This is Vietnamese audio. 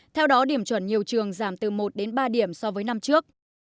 theo đó điểm chuẩn nhiều trường giảm từ một đến ba điểm so với năm trước